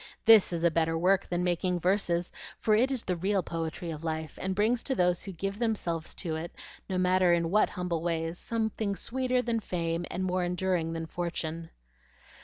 This is a better work than making verses, for it is the real poetry of life, and brings to those who give themselves to it, no matter in what humble ways, something sweeter than fame and more enduring than fortune."